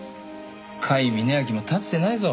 甲斐峯秋も立つ瀬ないぞ。